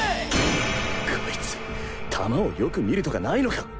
コイツ球をよく見るとかないのか？